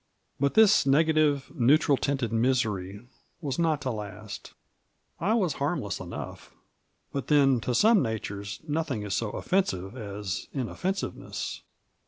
But this negative, neutral tinted misery wa9 not to last ; I was harmless enough, but then to some natures nothing is so offensive as inoffensiveness.